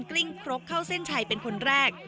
กลิ้งครกเข้าเส้นชัยเป็นคนแรก